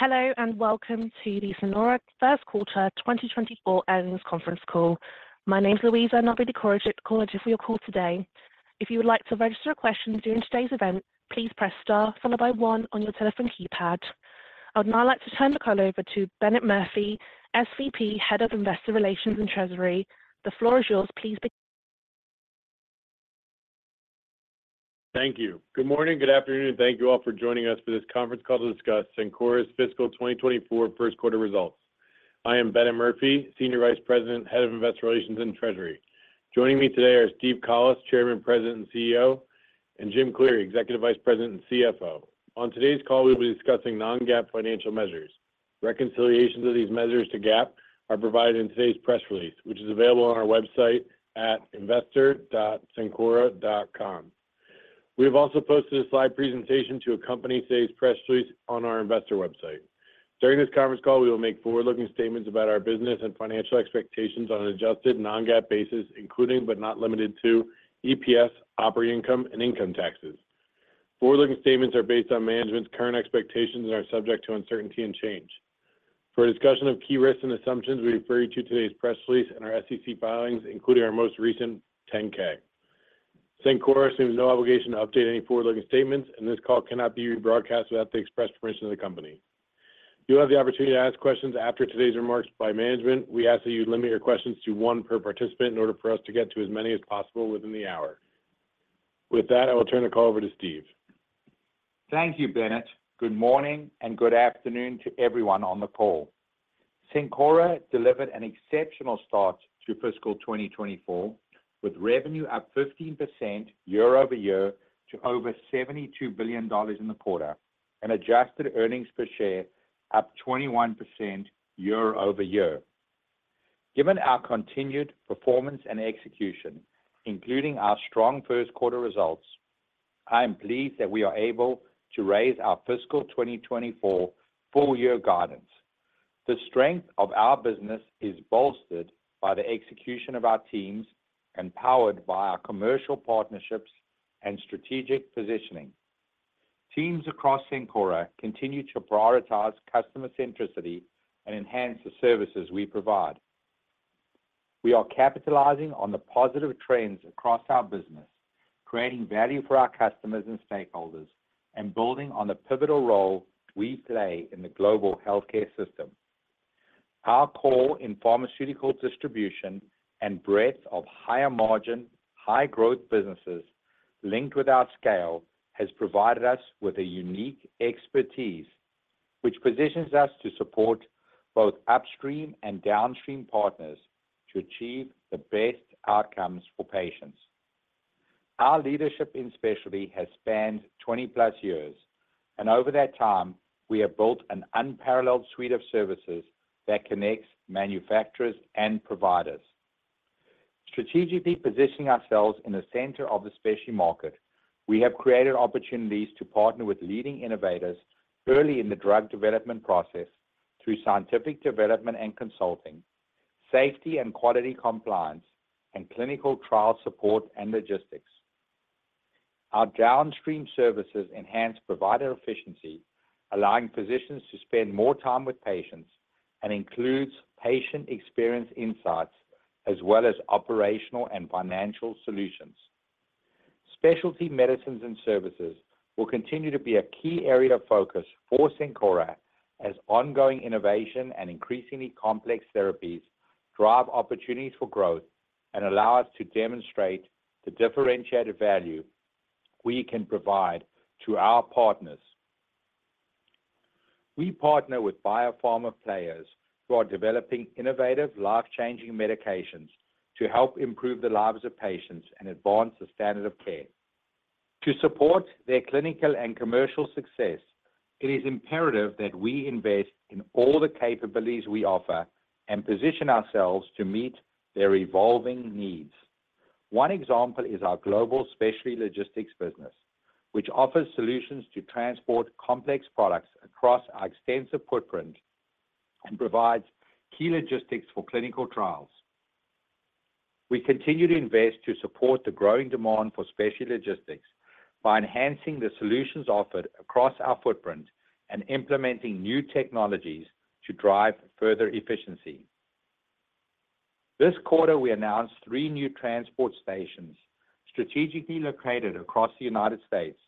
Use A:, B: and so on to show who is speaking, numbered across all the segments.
A: Hello, and welcome to the Cencora first quarter 2024 earnings conference call. My name is Louisa, and I'll be the coordinator for your call today. If you would like to register a question during today's event, please press star followed by one on your telephone keypad. I would now like to turn the call over to Bennett Murphy, SVP, Head of Investor Relations and Treasury. The floor is yours. Please begin.
B: Thank you. Good morning, good afternoon, and thank you all for joining us for this conference call to discuss Cencora's fiscal 2024 first quarter results. I am Bennett Murphy, Senior Vice President, Head of Investor Relations and Treasury. Joining me today are Steve Collis, Chairman, President, and CEO, and Jim Cleary, Executive Vice President and CFO. On today's call, we'll be discussing non-GAAP financial measures. Reconciliations of these measures to GAAP are provided in today's press release, which is available on our website at investor.cencora.com. We have also posted a slide presentation to accompany today's press release on our investor website. During this conference call, we will make forward-looking statements about our business and financial expectations on an adjusted non-GAAP basis, including but not limited to EPS, operating income, and income taxes. Forward-looking statements are based on management's current expectations and are subject to uncertainty and change. For a discussion of key risks and assumptions, we refer you to today's press release and our SEC filings, including our most recent 10-K. Cencora assumes no obligation to update any forward-looking statements, and this call cannot be rebroadcast without the express permission of the company. You'll have the opportunity to ask questions after today's remarks by management. We ask that you limit your questions to one per participant in order for us to get to as many as possible within the hour. With that, I will turn the call over to Steve.
C: Thank you, Bennett. Good morning, and good afternoon to everyone on the call. Cencora delivered an exceptional start to fiscal 2024, with revenue up 15% year-over-year to over $72 billion in the quarter, and adjusted earnings per share up 21% year-over-year. Given our continued performance and execution, including our strong first quarter results, I am pleased that we are able to raise our fiscal 2024 full-year guidance. The strength of our business is bolstered by the execution of our teams and powered by our commercial partnerships and strategic positioning. Teams across Cencora continue to prioritize customer centricity and enhance the services we provide. We are capitalizing on the positive trends across our business, creating value for our customers and stakeholders, and building on the pivotal role we play in the global healthcare system. Our core in pharmaceutical distribution and breadth of higher margin, high growth businesses linked with our scale, has provided us with a unique expertise which positions us to support both upstream and downstream partners to achieve the best outcomes for patients. Our leadership in specialty has spanned 20-plus years, and over that time, we have built an unparalleled suite of services that connects manufacturers and providers. Strategically positioning ourselves in the center of the specialty market, we have created opportunities to partner with leading innovators early in the drug development process through scientific development and consulting, safety and quality compliance, and clinical trial support and logistics. Our downstream services enhance provider efficiency, allowing physicians to spend more time with patients and includes patient experience insights as well as operational and financial solutions. Specialty medicines and services will continue to be a key area of focus for Cencora as ongoing innovation and increasingly complex therapies drive opportunities for growth and allow us to demonstrate the differentiated value we can provide to our partners. We partner with biopharma players who are developing innovative, life-changing medications to help improve the lives of patients and advance the standard of care. To support their clinical and commercial success, it is imperative that we invest in all the capabilities we offer and position ourselves to meet their evolving needs. One example is our global specialty logistics business, which offers solutions to transport complex products across our extensive footprint and provides key logistics for clinical trials. We continue to invest to support the growing demand for specialty logistics by enhancing the solutions offered across our footprint and implementing new technologies to drive further efficiency. This quarter, we announced three new transport stations strategically located across the United States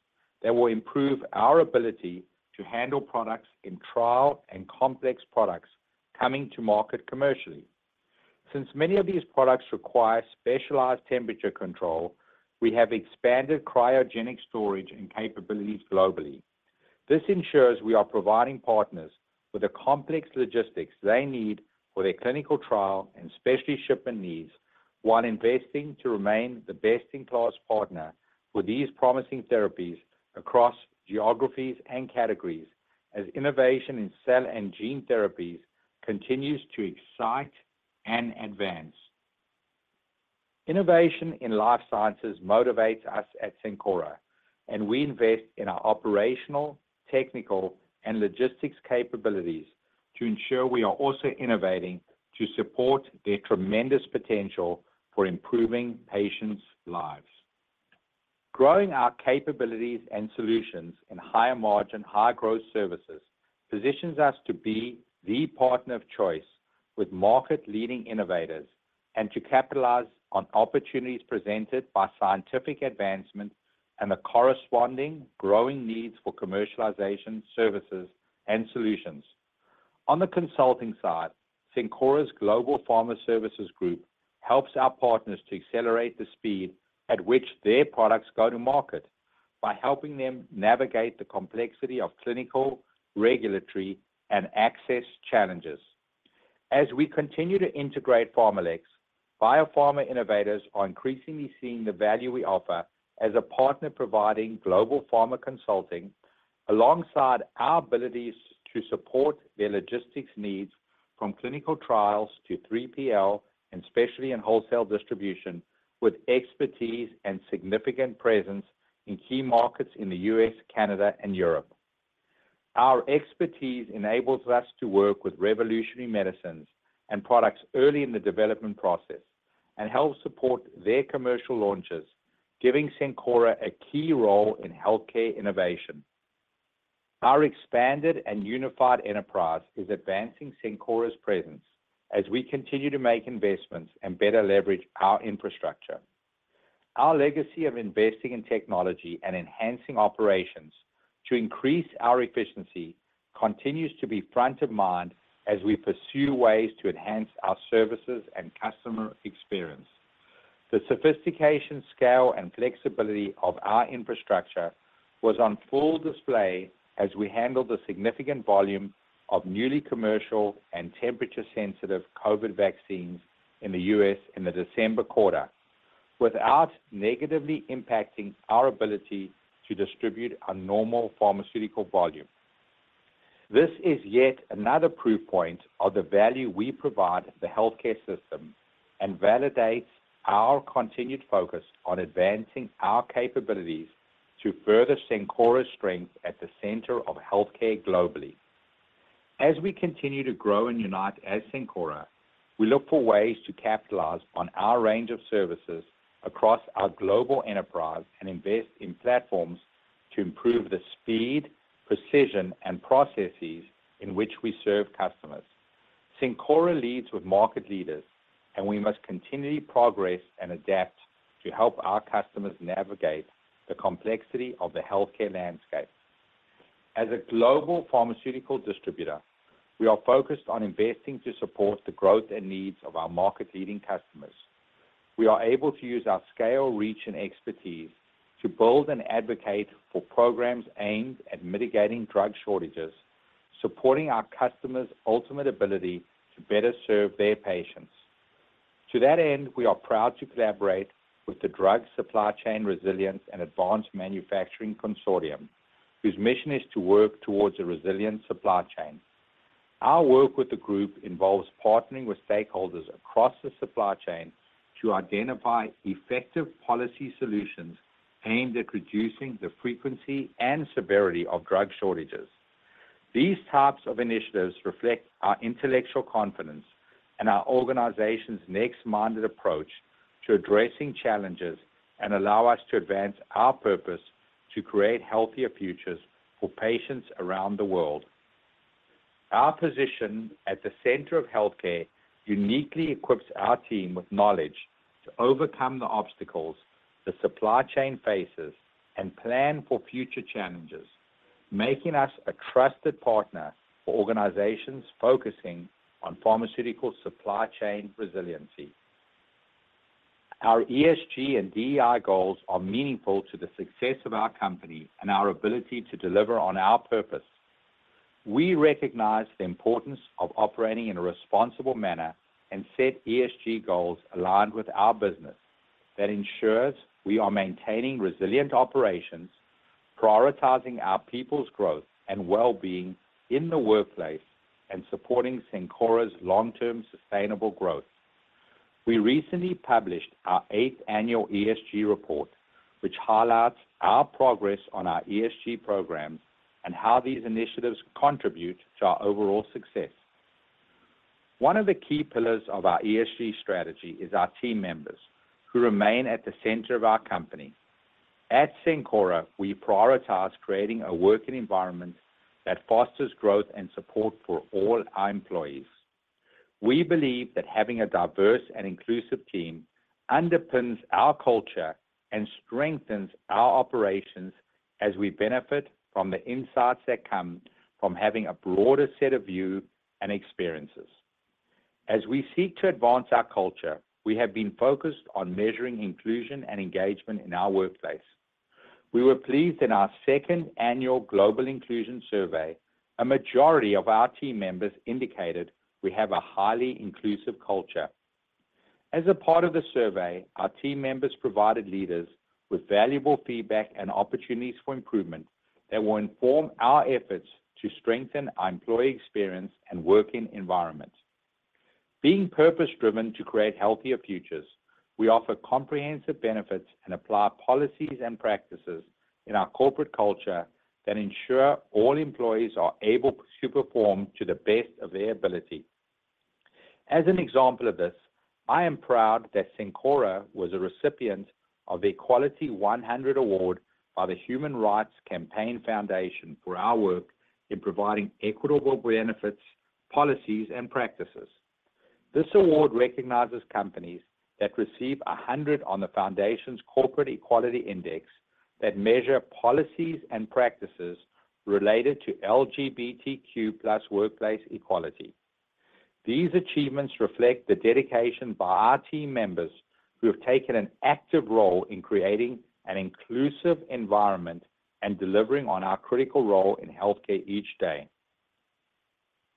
C: that will improve our ability to handle products in trial and complex products coming to market commercially. Since many of these products require specialized temperature control, we have expanded cryogenic storage and capabilities globally. This ensures we are providing partners with the complex logistics they need for their clinical trial and specialty shipping needs, while investing to remain the best-in-class partner for these promising therapies across geographies and categories as innovation in cell and gene therapies continues to excite and advance. Innovation in life sciences motivates us at Cencora, and we invest in our operational, technical, and logistics capabilities to ensure we are also innovating to support their tremendous potential for improving patients' lives. Growing our capabilities and solutions in higher margin, high growth services, positions us to be the partner of choice with market-leading innovators, and to capitalize on opportunities presented by scientific advancements and the corresponding growing needs for commercialization services and solutions. On the consulting side, Cencora's Global Pharma Services Group helps our partners to accelerate the speed at which their products go to market, by helping them navigate the complexity of clinical, regulatory, and access challenges. As we continue to integrate PharmaLex, biopharma innovators are increasingly seeing the value we offer as a partner providing global pharma consulting, alongside our abilities to support their logistics needs from clinical trials to 3PL, and especially in wholesale distribution, with expertise and significant presence in key markets in the U.S., Canada, and Europe. Our expertise enables us to work with revolutionary medicines and products early in the development process, and help support their commercial launches, giving Cencora a key role in healthcare innovation. Our expanded and unified enterprise is advancing Cencora's presence as we continue to make investments and better leverage our infrastructure. Our legacy of investing in technology and enhancing operations to increase our efficiency continues to be front of mind as we pursue ways to enhance our services and customer experience. The sophistication, scale, and flexibility of our infrastructure was on full display as we handled the significant volume of newly commercial and temperature-sensitive COVID vaccines in the U.S. in the December quarter, without negatively impacting our ability to distribute our normal pharmaceutical volume. This is yet another proof point of the value we provide the healthcare system, and validates our continued focus on advancing our capabilities to further Cencora's strength at the center of healthcare globally. As we continue to grow and unite as Cencora, we look for ways to capitalize on our range of services across our global enterprise and invest in platforms to improve the speed, precision, and processes in which we serve customers. Cencora leads with market leaders, and we must continually progress and adapt to help our customers navigate the complexity of the healthcare landscape. As a global pharmaceutical distributor, we are focused on investing to support the growth and needs of our market-leading customers. We are able to use our scale, reach, and expertise to build and advocate for programs aimed at mitigating drug shortages, supporting our customers' ultimate ability to better serve their patients. To that end, we are proud to collaborate with the Drug Supply Chain Resilience and Advanced Manufacturing Consortium, whose mission is to work towards a resilient supply chain. Our work with the group involves partnering with stakeholders across the supply chain to identify effective policy solutions aimed at reducing the frequency and severity of drug shortages. These types of initiatives reflect our intellectual confidence and our organization's next-minded approach to addressing challenges, and allow us to advance our purpose to create healthier futures for patients around the world. Our position at the center of healthcare uniquely equips our team with knowledge to overcome the obstacles the supply chain faces and plan for future challenges, making us a trusted partner for organizations focusing on pharmaceutical supply chain resiliency. Our ESG and DEI goals are meaningful to the success of our company and our ability to deliver on our purpose. We recognize the importance of operating in a responsible manner and set ESG goals aligned with our business, that ensures we are maintaining resilient operations, prioritizing our people's growth and well-being in the workplace, and supporting Cencora's long-term sustainable growth. We recently published our eighth annual ESG report, which highlights our progress on our ESG programs and how these initiatives contribute to our overall success. One of the key pillars of our ESG strategy is our team members, who remain at the center of our company. At Cencora, we prioritize creating a working environment that fosters growth and support for all our employees. We believe that having a diverse and inclusive team underpins our culture and strengthens our operations as we benefit from the insights that come from having a broader set of views and experiences. As we seek to advance our culture, we have been focused on measuring inclusion and engagement in our workplace. We were pleased in our second annual Global Inclusion Survey, a majority of our team members indicated we have a highly inclusive culture. As a part of the survey, our team members provided leaders with valuable feedback and opportunities for improvement that will inform our efforts to strengthen our employee experience and working environment. Being purpose-driven to create healthier futures, we offer comprehensive benefits and apply policies and practices in our corporate culture that ensure all employees are able to perform to the best of their ability. As an example of this, I am proud that Cencora was a recipient of the Equality 100 Award by the Human Rights Campaign Foundation for our work in providing equitable benefits, policies, and practices. This award recognizes companies that receive 100 on the foundation's Corporate Equality Index that measure policies and practices related to LGBTQ+ workplace equality. These achievements reflect the dedication by our team members who have taken an active role in creating an inclusive environment and delivering on our critical role in healthcare each day.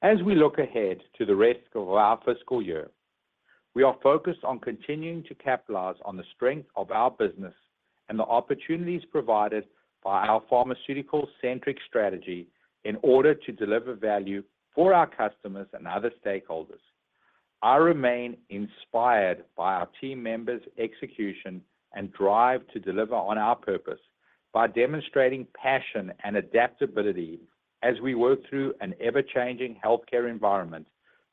C: As we look ahead to the rest of our fiscal year, we are focused on continuing to capitalize on the strength of our business and the opportunities provided by our pharmaceutical-centric strategy in order to deliver value for our customers and other stakeholders. I remain inspired by our team members' execution and drive to deliver on our purpose by demonstrating passion and adaptability as we work through an ever-changing healthcare environment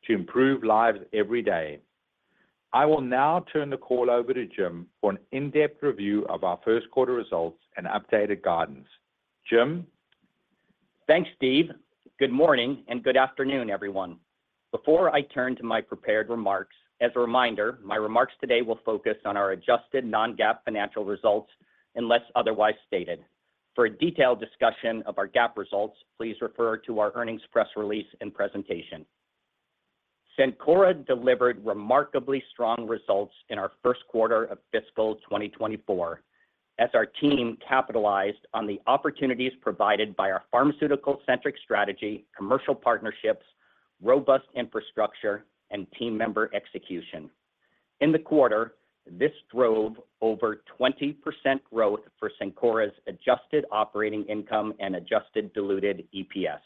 C: to improve lives every day. I will now turn the call over to Jim for an in-depth review of our first quarter results and updated guidance. Jim?
D: Thanks, Steve. Good morning, and good afternoon, everyone. Before I turn to my prepared remarks, as a reminder, my remarks today will focus on our adjusted non-GAAP financial results, unless otherwise stated. For a detailed discussion of our GAAP results, please refer to our earnings press release and presentation. Cencora delivered remarkably strong results in our first quarter of fiscal 2024, as our team capitalized on the opportunities provided by our pharmaceutical-centric strategy, commercial partnerships, robust infrastructure, and team member execution. In the quarter, this drove over 20% growth for Cencora's adjusted operating income and adjusted diluted EPS.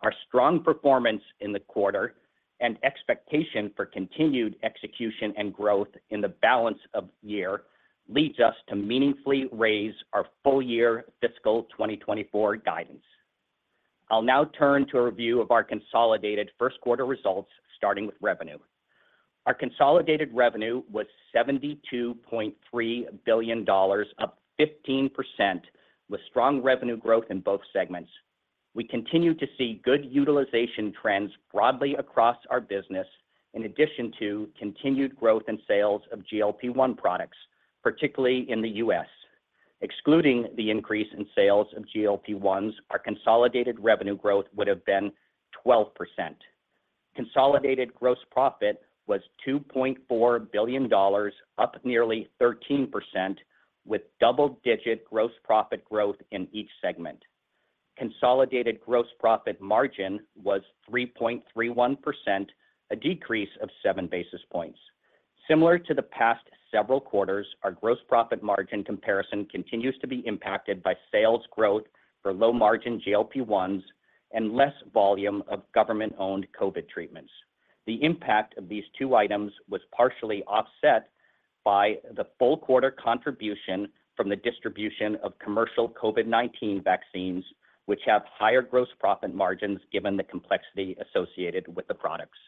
D: Our strong performance in the quarter and expectation for continued execution and growth in the balance of year leads us to meaningfully raise our full year fiscal 2024 guidance. I'll now turn to a review of our consolidated first quarter results, starting with revenue. Our consolidated revenue was $72.3 billion, up 15%, with strong revenue growth in both segments. We continue to see good utilization trends broadly across our business, in addition to continued growth in sales of GLP-1 products, particularly in the U.S. Excluding the increase in sales of GLP-1s, our consolidated revenue growth would have been 12%. Consolidated gross profit was $2.4 billion, up nearly 13%, with double-digit gross profit growth in each segment. Consolidated gross profit margin was 3.31%, a decrease of 7 basis points. Similar to the past several quarters, our gross profit margin comparison continues to be impacted by sales growth for low-margin GLP-1s and less volume of government-owned COVID treatments. The impact of these two items was partially offset by the full quarter contribution from the distribution of commercial COVID-19 vaccines, which have higher gross profit margins given the complexity associated with the products.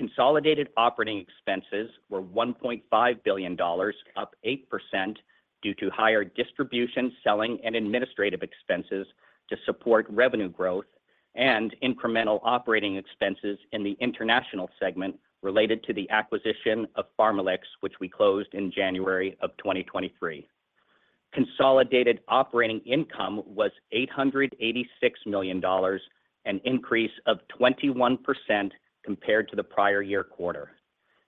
D: Consolidated operating expenses were $1.5 billion, up 8%, due to higher distribution, selling, and administrative expenses to support revenue growth and incremental operating expenses in the international segment related to the acquisition of PharmaLex, which we closed in January 2023. Consolidated operating income was $886 million, an increase of 21% compared to the prior year quarter.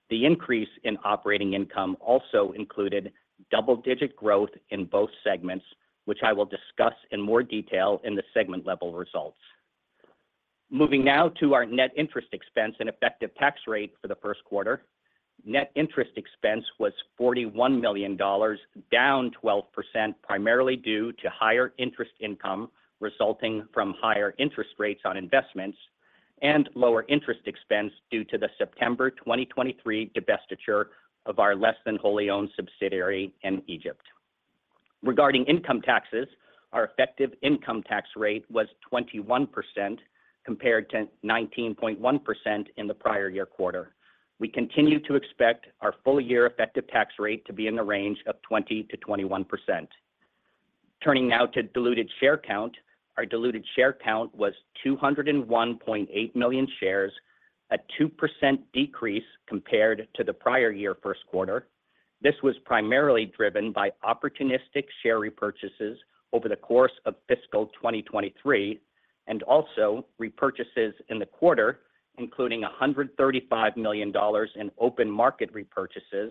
D: The increase in operating income also included double-digit growth in both segments, which I will discuss in more detail in the segment-level results. Moving now to our net interest expense and effective tax rate for the first quarter. Net interest expense was $41 million, down 12%, primarily due to higher interest income resulting from higher interest rates on investments and lower interest expense due to the September 2023 divestiture of our less than wholly owned subsidiary in Egypt. Regarding income taxes, our effective income tax rate was 21%, compared to 19.1% in the prior-year quarter. We continue to expect our full year effective tax rate to be in the range of 20%-21%. Turning now to diluted share count. Our diluted share count was 201.8 million shares, a 2% decrease compared to the prior-year first quarter. This was primarily driven by opportunistic share repurchases over the course of fiscal 2023, and also repurchases in the quarter, including $135 million in open market repurchases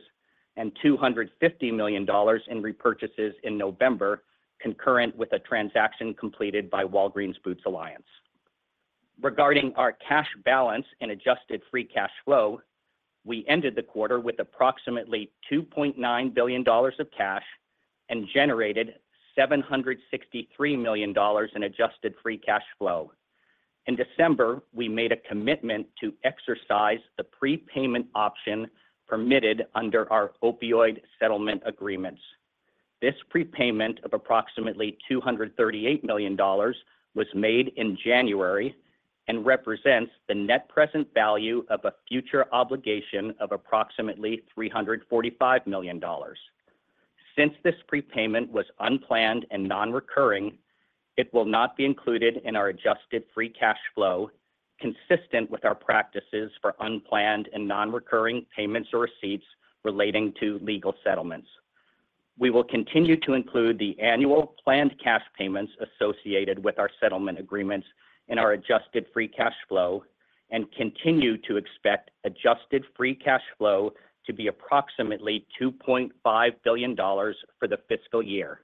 D: and $250 million in repurchases in November, concurrent with a transaction completed by Walgreens Boots Alliance. Regarding our cash balance and adjusted free cash flow, we ended the quarter with approximately $2.9 billion of cash and generated $763 million in adjusted free cash flow. In December, we made a commitment to exercise the prepayment option permitted under our opioid settlement agreements. This prepayment of approximately $238 million was made in January and represents the net present value of a future obligation of approximately $345 million. Since this prepayment was unplanned and non-recurring, it will not be included in our adjusted free cash flow, consistent with our practices for unplanned and non-recurring payments or receipts relating to legal settlements. We will continue to include the annual planned cash payments associated with our settlement agreements in our adjusted free cash flow and continue to expect adjusted free cash flow to be approximately $2.5 billion for the fiscal year.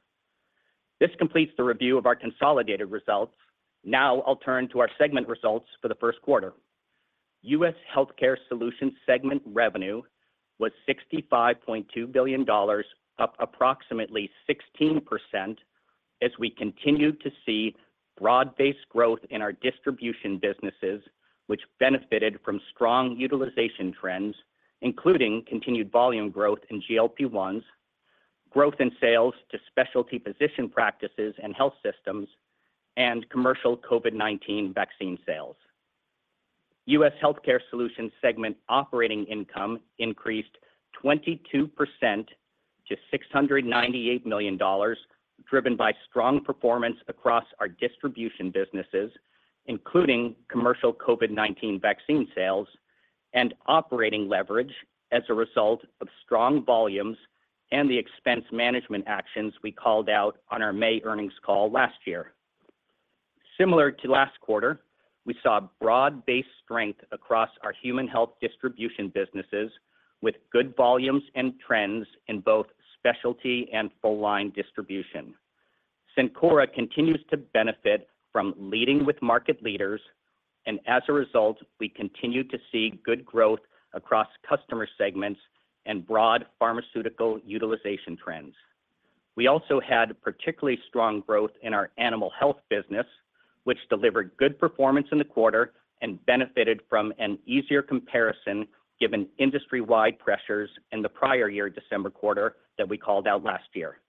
D: This completes the review of our consolidated results. Now I'll turn to our segment results for the first quarter. U.S. Healthcare Solutions segment revenue was $65.2 billion, up approximately 16% as we continued to see broad-based growth in our distribution businesses, which benefited from strong utilization trends, including continued volume growth in GLP-1s, growth in sales to specialty physician practices and health systems, and commercial COVID-19 vaccine sales. U.S. Healthcare Solutions segment operating income increased 22% to $698 million, driven by strong performance across our distribution businesses, including commercial COVID-19 vaccine sales and operating leverage as a result of strong volumes and the expense management actions we called out on our May earnings call last year. Similar to last quarter, we saw broad-based strength across our human health distribution businesses, with good volumes and trends in both specialty and full-line distribution. Cencora continues to benefit from leading with market leaders, and as a result, we continue to see good growth across customer segments and broad pharmaceutical utilization trends. We also had particularly strong growth in our animal health business, which delivered good performance in the quarter and benefited from an easier comparison, given industry-wide pressures in the prior year December quarter that we called out last year.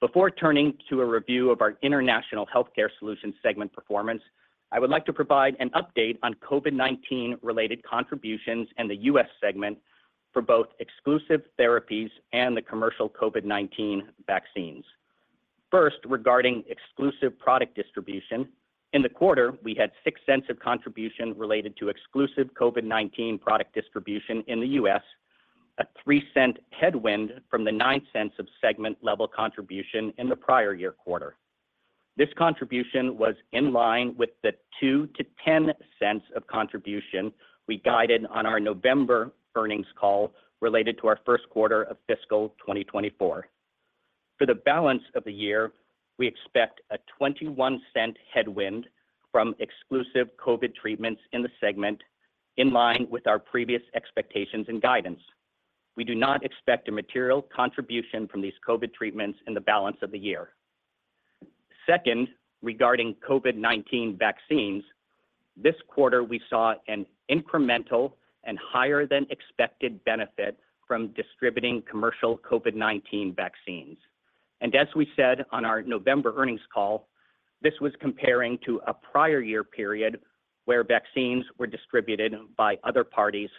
D: Before turning to a review of our International Healthcare Solutions segment performance, I would like to provide an update on COVID-19 related contributions in the U.S. segment for both exclusive therapies and the commercial COVID-19 vaccines. First, regarding exclusive product distribution. In the quarter, we had $0.06 of contribution related to exclusive COVID-19 product distribution in the U.S., a $0.03 headwind from the $0.09 of segment-level contribution in the prior year quarter. This contribution was in line with the $0.02-$0.10 of contribution we guided on our November earnings call related to our first quarter of fiscal 2024. For the balance of the year, we expect a $0.21 headwind from exclusive COVID treatments in the segment, in line with our previous expectations and guidance. We do not expect a material contribution from these COVID treatments in the balance of the year. Second, regarding COVID-19 vaccines, this quarter, we saw an incremental and higher than expected benefit from distributing commercial COVID-19 vaccines. As we said on our November earnings call, this was comparing to a prior year period where vaccines were distributed by other parties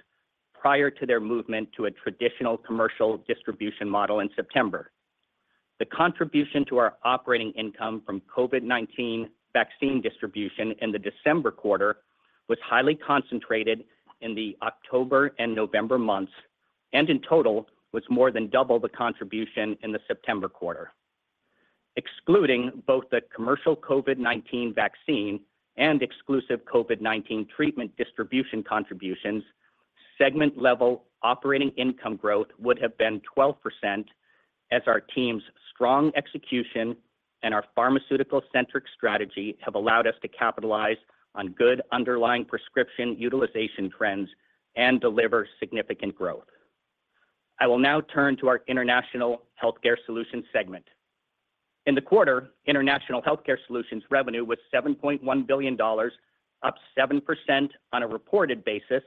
D: prior to their movement to a traditional commercial distribution model in September. The contribution to our operating income from COVID-19 vaccine distribution in the December quarter was highly concentrated in the October and November months, and in total, was more than double the contribution in the September quarter. Excluding both the commercial COVID-19 vaccine and exclusive COVID-19 treatment distribution contributions, segment-level operating income growth would have been 12% as our team's strong execution and our pharmaceutical-centric strategy have allowed us to capitalize on good underlying prescription utilization trends and deliver significant growth. I will now turn to our International Healthcare Solutions segment. In the quarter, International Healthcare Solutions revenue was $7.1 billion, up 7% on a reported basis,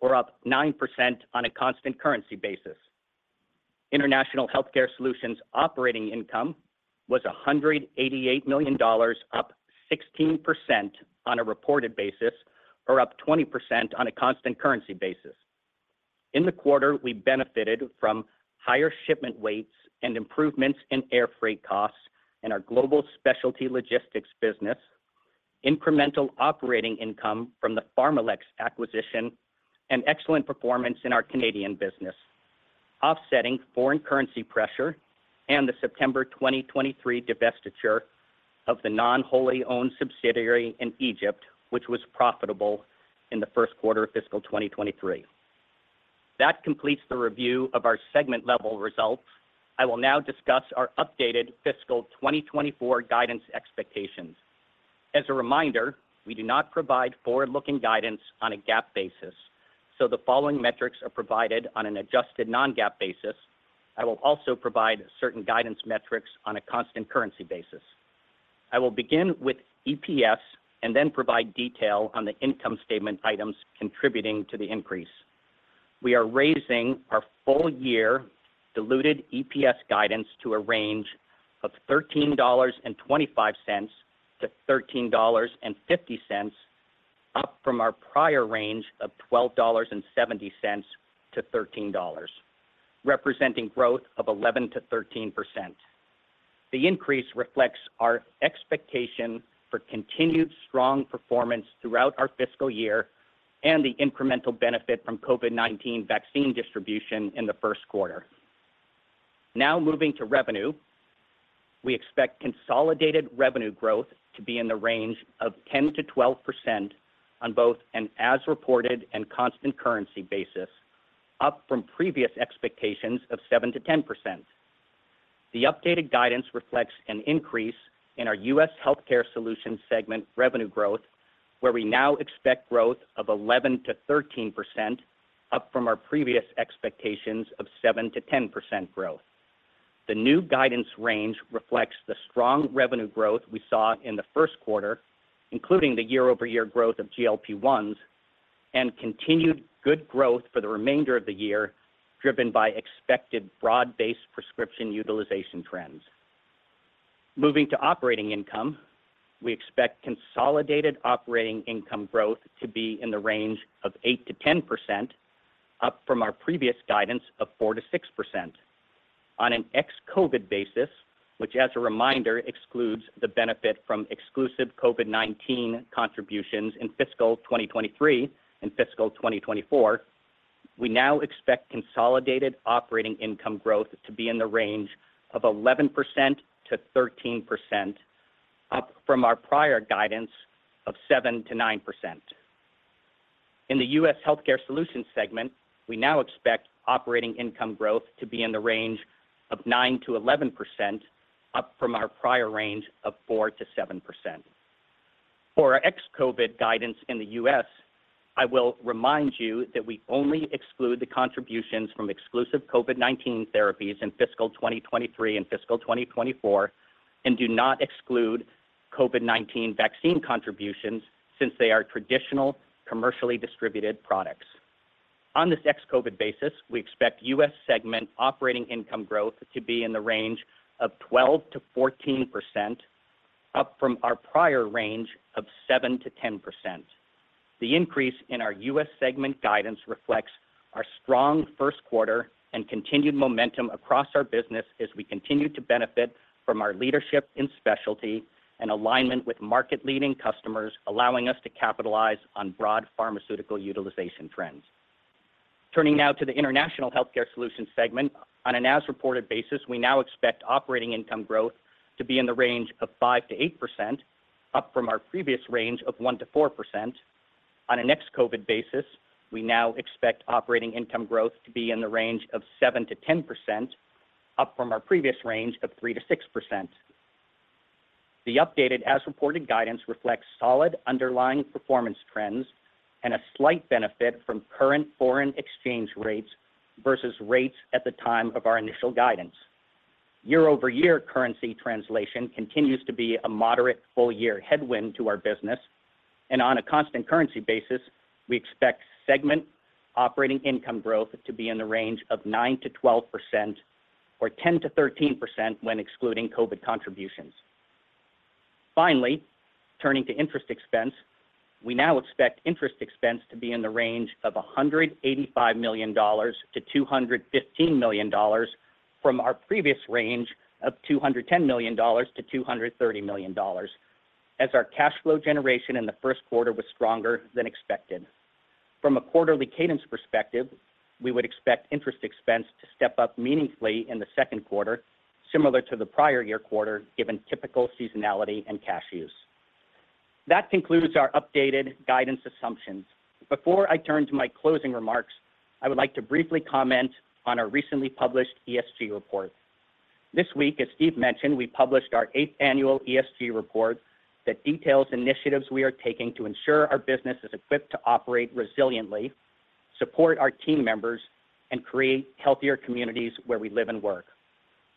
D: or up 9% on a constant currency basis. International Healthcare Solutions operating income was $188 million, up 16% on a reported basis, or up 20% on a constant currency basis. In the quarter, we benefited from higher shipment weights and improvements in air freight costs in our global specialty logistics business, incremental operating income from the PharmaLex acquisition, and excellent performance in our Canadian business, offsetting foreign currency pressure and the September 2023 divestiture of the non-wholly-owned subsidiary in Egypt, which was profitable in the first quarter of fiscal 2023. That completes the review of our segment-level results. I will now discuss our updated fiscal 2024 guidance expectations. As a reminder, we do not provide forward-looking guidance on a GAAP basis, so the following metrics are provided on an adjusted non-GAAP basis. I will also provide certain guidance metrics on a constant currency basis. I will begin with EPS and then provide detail on the income statement items contributing to the increase.... We are raising our full year diluted EPS guidance to a range of $13.25-$13.50, up from our prior range of $12.70-$13, representing growth of 11%-13%. The increase reflects our expectation for continued strong performance throughout our fiscal year and the incremental benefit from COVID-19 vaccine distribution in the first quarter. Now, moving to revenue, we expect consolidated revenue growth to be in the range of 10%-12% on both an as-reported and constant currency basis, up from previous expectations of 7%-10%. The updated guidance reflects an increase in our U.S. Healthcare Solutions segment revenue growth, where we now expect growth of 11%-13%, up from our previous expectations of 7%-10% growth. The new guidance range reflects the strong revenue growth we saw in the first quarter, including the year-over-year growth of GLP-1s, and continued good growth for the remainder of the year, driven by expected broad-based prescription utilization trends. Moving to operating income, we expect consolidated operating income growth to be in the range of 8%-10%, up from our previous guidance of 4%-6%. On an ex-COVID basis, which, as a reminder, excludes the benefit from exclusive COVID-19 contributions in fiscal 2023 and fiscal 2024, we now expect consolidated operating income growth to be in the range of 11%-13%, up from our prior guidance of 7%-9%. In the U.S. Healthcare Solutions segment, we now expect operating income growth to be in the range of 9%-11%, up from our prior range of 4%-7%. For our ex-COVID guidance in the U.S., I will remind you that we only exclude the contributions from exclusive COVID-19 therapies in fiscal 2023 and fiscal 2024, and do not exclude COVID-19 vaccine contributions since they are traditional, commercially distributed products. On this ex-COVID basis, we expect U.S. segment operating income growth to be in the range of 12%-14%, up from our prior range of 7%-10%. The increase in our U.S. segment guidance reflects our strong first quarter and continued momentum across our business as we continue to benefit from our leadership in specialty and alignment with market-leading customers, allowing us to capitalize on broad pharmaceutical utilization trends. Turning now to the International Healthcare Solutions segment. On an as-reported basis, we now expect operating income growth to be in the range of 5%-8%, up from our previous range of 1%-4%. On an ex-COVID basis, we now expect operating income growth to be in the range of 7%-10%, up from our previous range of 3%-6%. The updated as-reported guidance reflects solid underlying performance trends and a slight benefit from current foreign exchange rates versus rates at the time of our initial guidance. Year-over-year currency translation continues to be a moderate full-year headwind to our business, and on a constant currency basis, we expect segment operating income growth to be in the range of 9%-12% or 10%-13% when excluding COVID contributions. Finally, turning to interest expense, we now expect interest expense to be in the range of $185 million-$215 million from our previous range of $210 million-$230 million, as our cash flow generation in the first quarter was stronger than expected. From a quarterly cadence perspective, we would expect interest expense to step up meaningfully in the second quarter, similar to the prior year quarter, given typical seasonality and cash use. That concludes our updated guidance assumptions. Before I turn to my closing remarks, I would like to briefly comment on our recently published ESG report. This week, as Steve mentioned, we published our eighth annual ESG report that details initiatives we are taking to ensure our business is equipped to operate resiliently, support our team members, and create healthier communities where we live and work.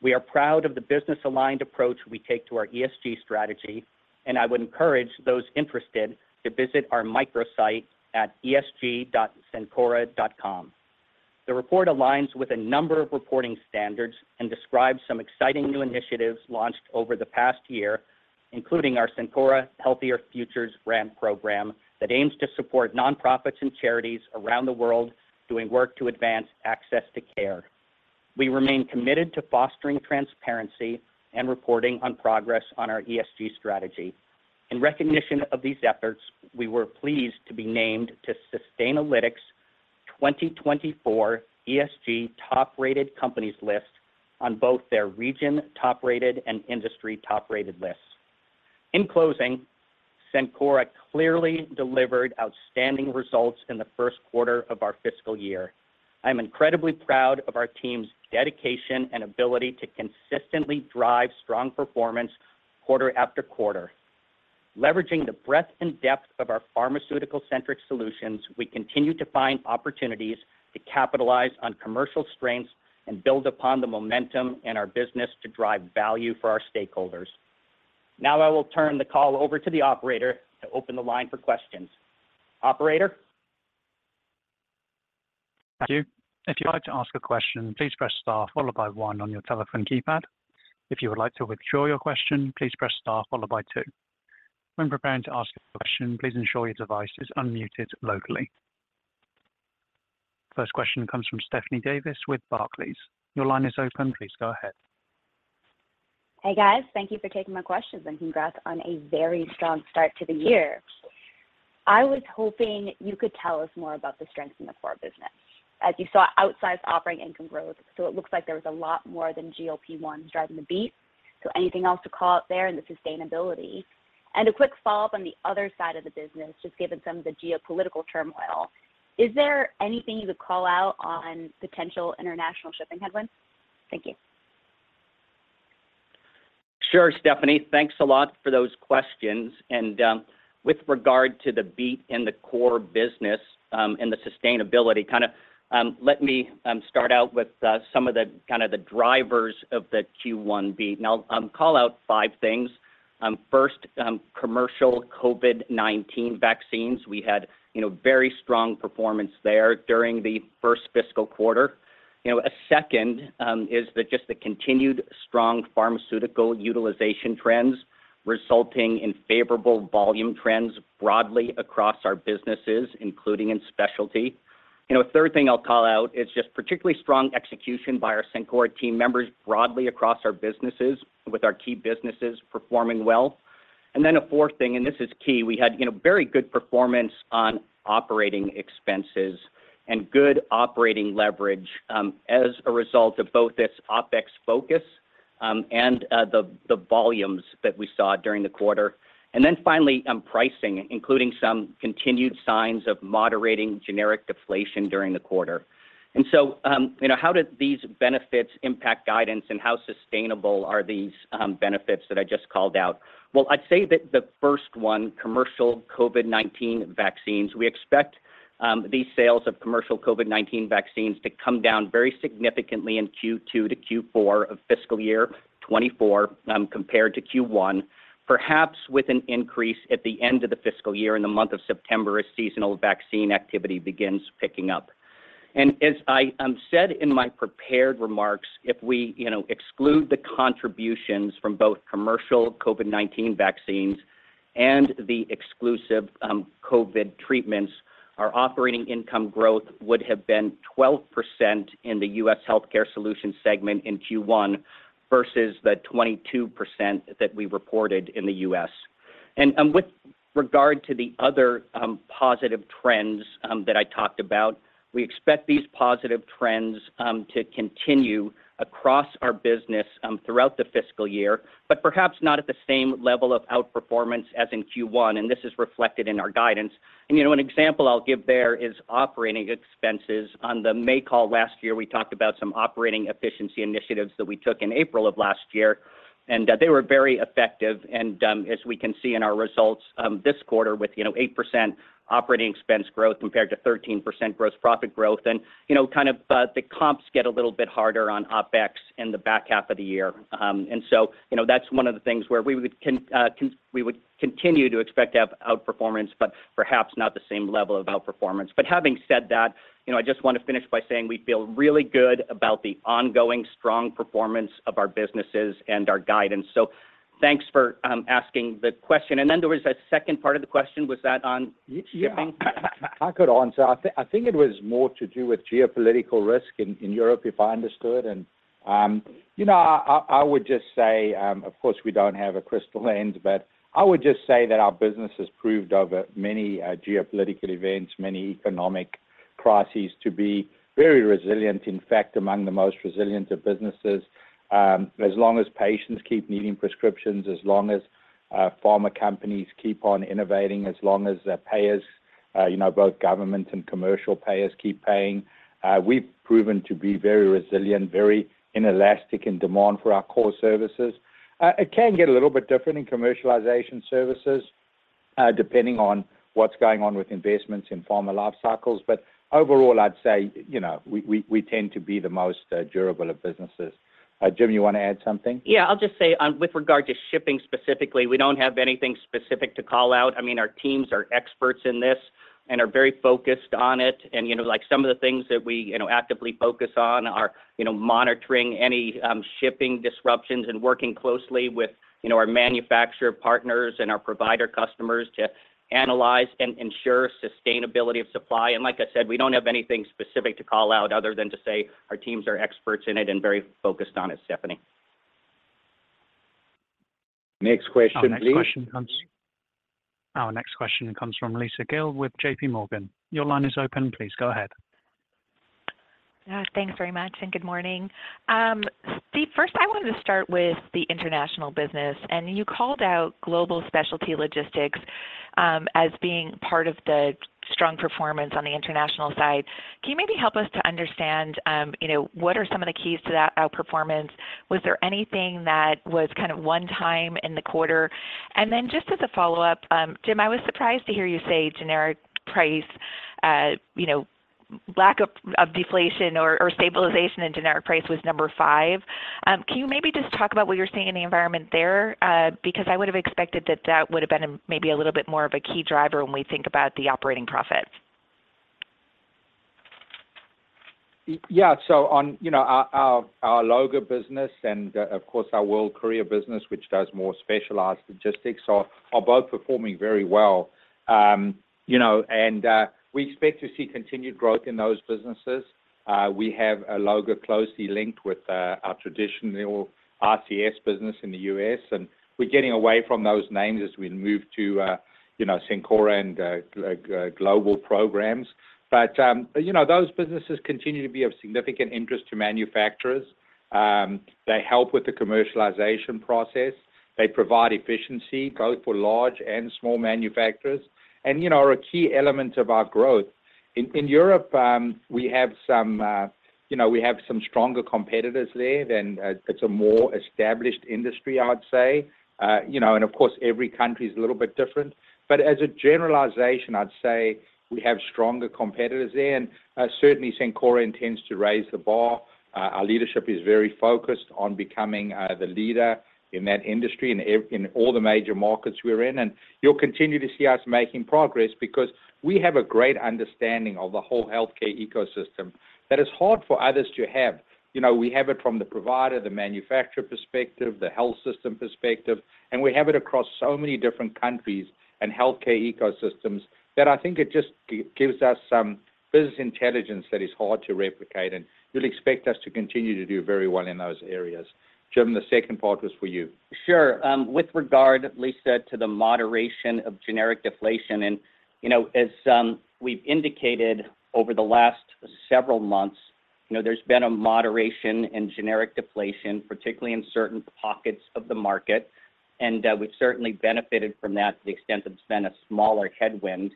D: We are proud of the business-aligned approach we take to our ESG strategy, and I would encourage those interested to visit our microsite at esg.cencora.com. The report aligns with a number of reporting standards and describes some exciting new initiatives launched over the past year, including our Cencora Healthier Futures Grant Program, that aims to support nonprofits and charities around the world doing work to advance access to care. We remain committed to fostering transparency and reporting on progress on our ESG strategy. In recognition of these efforts, we were pleased to be named to Sustainalytics' 2024 ESG Top-Rated Companies list on both their region top-rated and industry top-rated lists. In closing, Cencora clearly delivered outstanding results in the first quarter of our fiscal year. I'm incredibly proud of our team's dedication and ability to consistently drive strong performance quarter after quarter. Leveraging the breadth and depth of our pharmaceutical-centric solutions, we continue to find opportunities to capitalize on commercial strengths and build upon the momentum in our business to drive value for our stakeholders. Now I will turn the call over to the operator to open the line for questions. Operator?
A: Thank you. If you'd like to ask a question, please press star followed by one on your telephone keypad. If you would like to withdraw your question, please press star followed by two. When preparing to ask a question, please ensure your device is unmuted locally. First question comes from Stephanie Davis with Barclays. Your line is open. Please go ahead.
E: Hey, guys. Thank you for taking my questions, and congrats on a very strong start to the year. I was hoping you could tell us more about the strengths in the core business. As you saw, outsized operating income growth, so it looks like there was a lot more than GLP-1 driving the beat. So anything else to call out there in the sustainability? And a quick follow-up on the other side of the business, just given some of the geopolitical turmoil. Is there anything you would call out on potential international shipping headwinds? Thank you.
D: Sure, Stephanie. Thanks a lot for those questions. With regard to the beat in the core business, and the sustainability, kind of, let me start out with some of the kind of the drivers of the Q1 beat, and I'll call out five things. First, commercial COVID-19 vaccines. We had, you know, very strong performance there during the first fiscal quarter. You know, a second is the just the continued strong pharmaceutical utilization trends, resulting in favorable volume trends broadly across our businesses, including in specialty. You know, a third thing I'll call out is just particularly strong execution by our Cencora team members broadly across our businesses, with our key businesses performing well. And then a fourth thing, and this is key, we had, you know, very good performance on operating expenses and good operating leverage, as a result of both this OpEx focus, and the volumes that we saw during the quarter. And then finally, pricing, including some continued signs of moderating generic deflation during the quarter. And so, you know, how did these benefits impact guidance, and how sustainable are these, benefits that I just called out? Well, I'd say that the first one, commercial COVID-19 vaccines, we expect, these sales of commercial COVID-19 vaccines to come down very significantly in Q2 to Q4 of fiscal year 2024, compared to Q1, perhaps with an increase at the end of the fiscal year, in the month of September, as seasonal vaccine activity begins picking up. As I said in my prepared remarks, if we, you know, exclude the contributions from both commercial COVID-19 vaccines and the exclusive COVID treatments, our operating income growth would have been 12% in the U.S. healthcare solution segment in Q1 versus the 22% that we reported in the U.S. With regard to the other positive trends that I talked about, we expect these positive trends to continue across our business throughout the fiscal year, but perhaps not at the same level of outperformance as in Q1, and this is reflected in our guidance. You know, an example I'll give there is operating expenses. On the May call last year, we talked about some operating efficiency initiatives that we took in April of last year, and they were very effective. As we can see in our results this quarter with, you know, 8% operating expense growth compared to 13% gross profit growth. You know, kind of, the comps get a little bit harder on OpEx in the back half of the year. And so, you know, that's one of the things where we would continue to expect to have outperformance, but perhaps not the same level of outperformance. But having said that, you know, I just want to finish by saying we feel really good about the ongoing strong performance of our businesses and our guidance. So thanks for asking the question. And then there was that second part of the question. Was that on shipping?
C: Yeah. I could answer. I think it was more to do with geopolitical risk in Europe, if I understood. And, you know, I would just say, of course, we don't have a crystal lens, but I would just say that our business has proved over many geopolitical events, many economic crises, to be very resilient, in fact, among the most resilient of businesses. As long as patients keep needing prescriptions, as long as pharma companies keep on innovating, as long as the payers, you know, both government and commercial payers keep paying, we've proven to be very resilient, very inelastic in demand for our core services. It can get a little bit different in commercialization services, depending on what's going on with investments in pharma life cycles. But overall, I'd say, you know, we tend to be the most durable of businesses. Jim, you want to add something?
D: Yeah, I'll just say, with regard to shipping specifically, we don't have anything specific to call out. I mean, our teams are experts in this and are very focused on it. And, you know, like some of the things that we, you know, actively focus on are, you know, monitoring any, shipping disruptions and working closely with, you know, our manufacturer partners and our provider customers to analyze and ensure sustainability of supply. And like I said, we don't have anything specific to call out other than to say our teams are experts in it and very focused on it, Stephanie.
C: Next question, please.
A: Our next question comes from Lisa Gill with JPMorgan. Your line is open. Please go ahead.
F: Thanks very much, and good morning. Steve, first, I wanted to start with the international business, and you called out global specialty logistics, as being part of the strong performance on the international side. Can you maybe help us to understand, you know, what are some of the keys to that outperformance? Was there anything that was kind of one time in the quarter? And then just as a follow-up, Jim, I was surprised to hear you say generic price, you know, lack of, of deflation or, or stabilization in generic price was number five. Can you maybe just talk about what you're seeing in the environment there? Because I would have expected that that would have been a maybe a little bit more of a key driver when we think about the operating profits.
C: Yeah. So on, you know, Alloga business and, of course, our World Courier business, which does more specialized logistics, are both performing very well. You know, and we expect to see continued growth in those businesses. We have Alloga closely linked with our traditional ICS business in the U.S., and we're getting away from those names as we move to, you know, Cencora and global programs. But, you know, those businesses continue to be of significant interest to manufacturers. They help with the commercialization process. They provide efficiency both for large and small manufacturers and, you know, are a key element of our growth. In Europe, we have some stronger competitors there than it's a more established industry, I would say. You know, and of course, every country is a little bit different. But as a generalization, I'd say we have stronger competitors there, and certainly, Cencora intends to raise the bar. Our leadership is very focused on becoming the leader in that industry, in all the major markets we're in. And you'll continue to see us making progress because we have a great understanding of the whole healthcare ecosystem that is hard for others to have. You know, we have it from the provider, the manufacturer perspective, the health system perspective, and we have it across so many different countries and healthcare ecosystems that I think it just gives us some business intelligence that is hard to replicate, and you'll expect us to continue to do very well in those areas. Jim, the second part was for you.
D: Sure. With regard, Lisa, to the moderation of generic deflation, and, you know, as we've indicated over the last several months, you know, there's been a moderation in generic deflation, particularly in certain pockets of the market, and, we've certainly benefited from that to the extent that it's been a smaller headwind.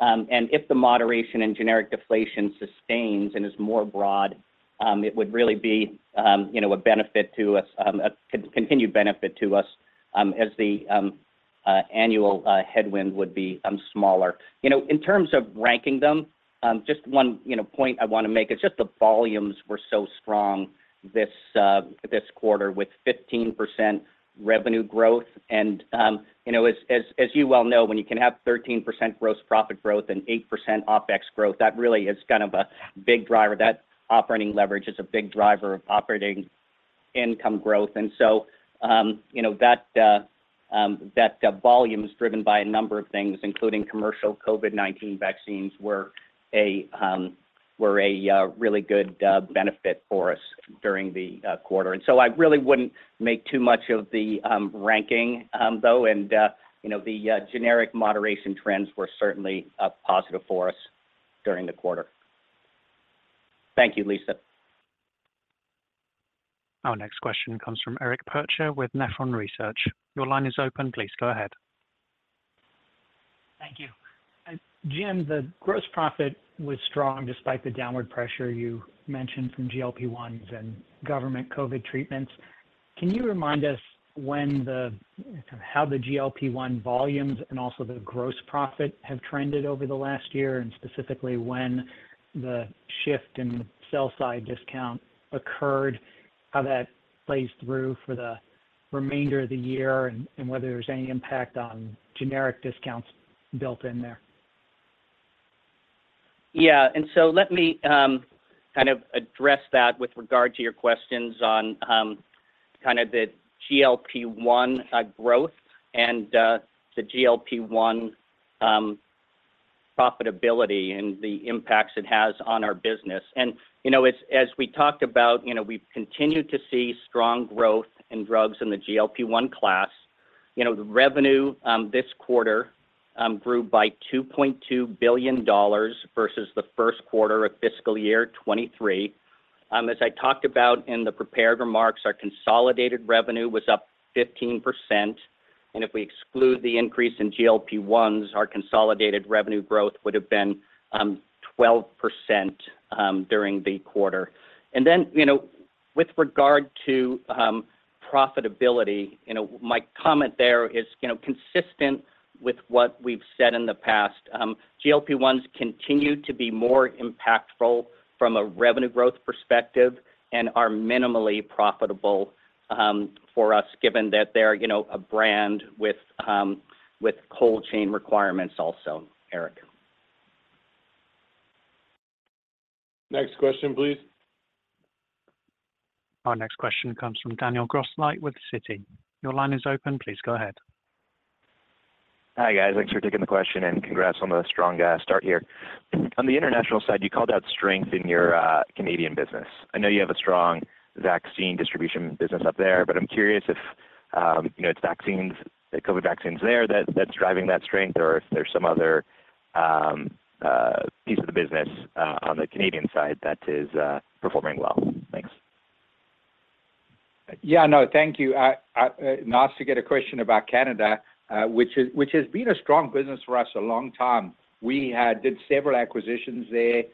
D: And if the moderation in generic deflation sustains and is more broad, it would really be, you know, a benefit to us, a continued benefit to us, as the annual headwind would be smaller. You know, in terms of ranking them, just one, you know, point I wanna make, it's just the volumes were so strong this quarter with 15% revenue growth. You know, as you well know, when you can have 13% gross profit growth and 8% OpEx growth, that really is kind of a big driver. That operating leverage is a big driver of operating income growth. And so, you know, that volume is driven by a number of things, including commercial COVID-19 vaccines were a really good benefit for us during the quarter. And so I really wouldn't make too much of the ranking though, and you know, the generic moderation trends were certainly a positive for us during the quarter. Thank you, Lisa.
A: Our next question comes from Eric Percher with Nephron Research. Your line is open. Please go ahead.
G: Thank you. Jim, the gross profit was strong despite the downward pressure you mentioned from GLP-1s and government COVID treatments. Can you remind us how the GLP-1 volumes and also the gross profit have trended over the last year, and specifically when the shift in sell-side discount occurred, how that plays through for the remainder of the year, and whether there's any impact on generic discounts built in there?
D: Yeah, and so let me kind of address that with regard to your questions on kind of the GLP-1 growth and the GLP-1 profitability and the impacts it has on our business. And, you know, as we talked about, you know, we've continued to see strong growth in drugs in the GLP-1 class. You know, the revenue this quarter grew by $2.2 billion versus the first quarter of fiscal year 2023. As I talked about in the prepared remarks, our consolidated revenue was up 15%, and if we exclude the increase in GLP-1s, our consolidated revenue growth would have been 12% during the quarter. And then, you know, with regard to profitability, you know, my comment there is, you know, consistent with what we've said in the past. GLP-1s continue to be more impactful from a revenue growth perspective and are minimally profitable for us, given that they're, you know, a brand with cold chain requirements also, Eric.
E: Next question, please.
A: Our next question comes from Daniel Grosslight with Citi. Your line is open. Please go ahead.
H: Hi, guys. Thanks for taking the question, and congrats on the strong start here. On the international side, you called out strength in your Canadian business. I know you have a strong vaccine distribution business up there, but I'm curious if, you know, it's vaccines, the COVID vaccines there, that's driving that strength or if there's some other piece of the business on the Canadian side that is performing well. Thanks. Yeah, no, thank you. Nice to get a question about Canada, which has been a strong business for us a long time. We had did several acquisitions there,